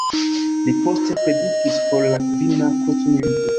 Li poste predikis por la Kvina krucmilito.